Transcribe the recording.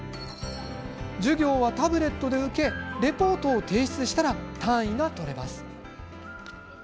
授業はタブレットで受けレポートを提出したら単位が取れます。